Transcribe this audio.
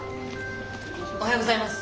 おはようございます。